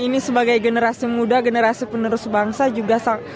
ini sebagai generasi muda generasi penerus bangsa juga